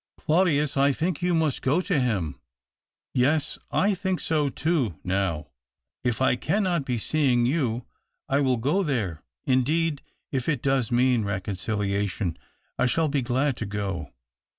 " Claudius, I think you must go to him." "Yes, I think so too, now. If I cannot be seeing you, I will go there — indeed, if it does mean reconciliation, I shall be glad to go.